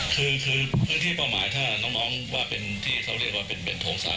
พื้นที่ป้าหมายถ้าน้องน้องว่าเป็นที่เขาเรียกว่าเป็นเบ่นโถงสาม